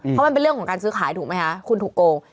เพราะมันเป็นเรื่องของการซื้อขายถูกไหมคะคุณถูกโกง